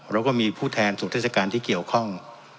แล้วก็มีผู้แทนส่วนราชการที่เกี่ยวข้อง